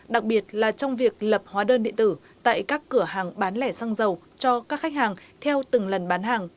đặc biệt là trong việc lập hóa đơn điện tử tại các cửa hàng bán lẻ xăng dầu cho các khách hàng theo từng lần bán hàng